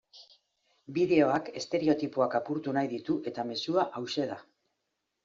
Bideoak estereotipoak apurtu nahi ditu eta mezua hauxe da.